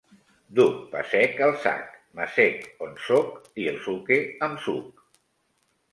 Duc pa sec al sac, m’assec on sóc, I el suque amb suc.